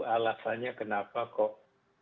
alasannya kenapa kok